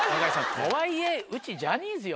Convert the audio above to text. とはいえうちジャニーズよ？